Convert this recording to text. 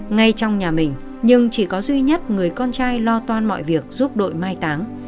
ngay trong nhà mình nhưng chỉ có duy nhất người con trai lo toan mọi việc giúp đội mai táng